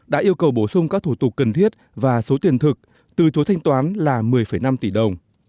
đã yêu cầu bổ sung các thủ tục cần thiết và số tiền thực từ chối thanh toán là một mươi năm tỷ đồng